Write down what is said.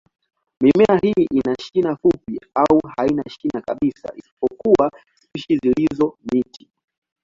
Mimea hii ina shina fupi au haina shina kabisa, isipokuwa spishi zilizo miti.